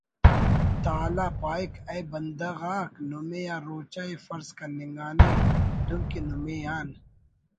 تعالیٰ پاہک ”اے بندغ آک نمے آ روچہ ءِ فرض کننگانے دن کہ نمے آن